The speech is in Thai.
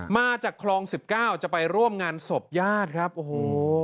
มาจากคลองสิบเก้าจะไปร่วมงานศพญาติครับโอ้โห